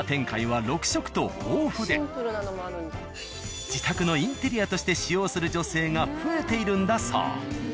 と豊富で自宅のインテリアとして使用する女性が増えているんだそう。